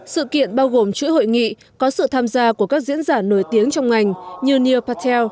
sự kiện bao gồm chuỗi hội nghị có sự tham gia của các diễn giả nổi tiếng trong ngành như neo patel